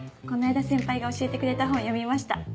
この間先輩が教えてくれた本読みました。